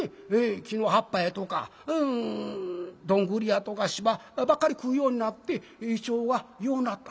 木の葉っぱやとかどんぐりやとか芝ばっかり食うようになって胃腸はようなった。